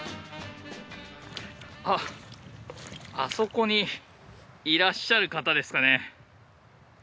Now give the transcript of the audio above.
あっあそこにいらっしゃる方ですかね？